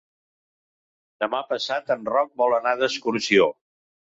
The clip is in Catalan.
Demà passat en Roc vol anar d'excursió.